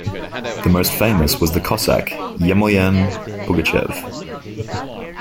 The most famous was the Cossack Yemelyan Pugachev.